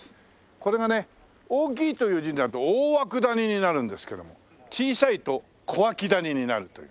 これがね大きいという字になると大涌谷になるんですけども小さいと小涌谷になるという。